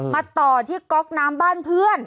มาต่อที่ก๊อกน้ำบ้านเพื่อน